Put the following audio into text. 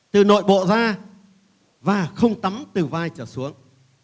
từ nội bộ ra và không tắm từ vai trở xuống